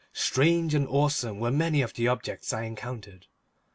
Strange and awsome were many of the objects I encountered.